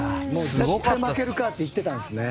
絶対負けるか！って言ってたんですね。